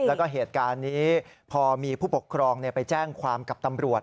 แล้วก็เหตุการณ์นี้พอมีผู้ปกครองไปแจ้งความกับตำรวจ